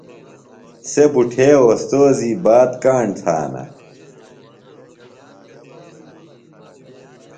سےۡ بُٹھے اوستوذی بات کاݨ تھانہ۔